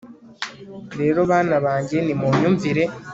rero bana banjye nimunyumvire